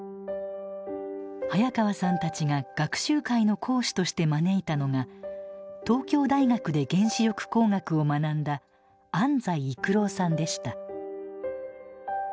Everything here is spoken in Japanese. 早川さんたちが学習会の講師として招いたのが東京大学で原子力工学を学んだ安斎育郎さんでした。